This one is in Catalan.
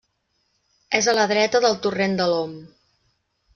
És a la dreta del torrent de l'Om.